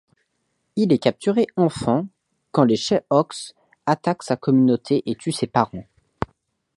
Il est capturé enfant quand les Cherokees attaquent sa communauté et tuent ses parents.